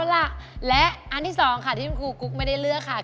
เอาล่ะและอันที่สองค่ะที่คุณครูกุ๊กไม่ได้เลือกค่ะ